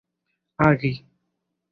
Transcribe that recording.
agi